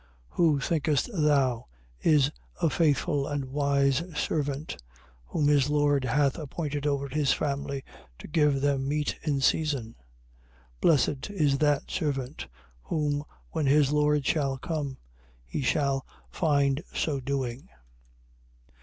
24:45. Who, thinkest thou, is a faithful and wise servant, whom his lord hath appointed over his family, to give them meat in season? 24:46. Blessed is that servant, whom when his lord shall come he shall find so doing.